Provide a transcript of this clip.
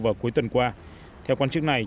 vào cuối tuần qua theo quan chức này